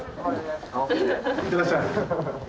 いってらっしゃい！